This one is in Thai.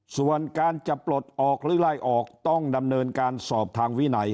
ส่วนการจะปลดออกหรือไล่ออกต้องดำเนินการสอบทางวินัย